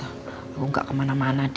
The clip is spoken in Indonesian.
aku gak kemana mana